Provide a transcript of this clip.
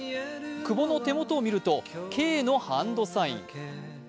久保の手元を見ると「Ｋ」のハンドサイン。